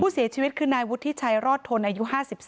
เสียชีวิตคือนายวุฒิชัยรอดทนอายุ๕๓